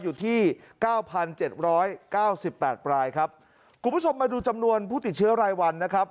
อยู่ที่๙๗๙๘รายครับคุณผู้ชมมาดูจำนวนผู้ติดเชื้อรายวันนะครับ